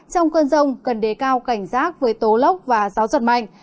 trong cơn rông cần đề cao cảnh giác với tố lốc và gió giật mạnh